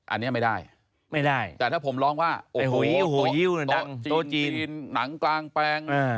อันนี้ไม่ได้ไม่ได้แต่ถ้าผมร้องว่าโอ้โหจีนหนังกลางแปลง